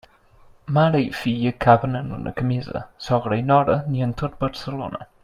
Mare i filla caben en una camisa; sogra i nora, ni en tot Barcelona.